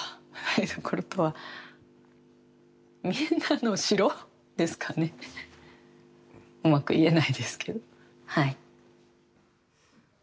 みんなの城ですかねうまく言えないですけど、はい。